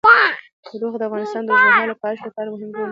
تودوخه د افغانستان د اوږدمهاله پایښت لپاره مهم رول لري.